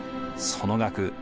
その額